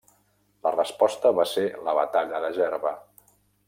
La resposta va ser la Batalla de Gerba.